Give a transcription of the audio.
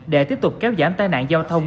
để tiếp tục kéo giảm tài nạn giao thông